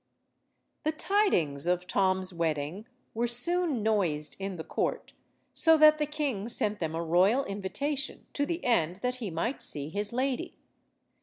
The tidings of Tom's wedding were soon noised in the court, so that the king sent them a royal invitation to the end that he might see his lady.